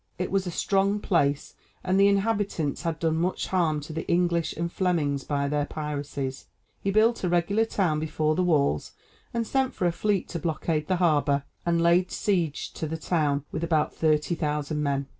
It was a strong place, and the inhabitants had done much harm to the English and Flemings by their piracies. He built a regular town before the walls, sent for a fleet to blockade the harbor, and laid siege to the town with about thirty thousand men.